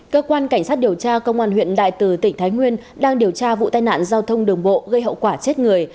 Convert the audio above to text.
cơ quan cảnh sát điều tra công an huyện đại từ tỉnh thái nguyên đang điều tra vụ tai nạn giao thông đường bộ gây hậu quả chết người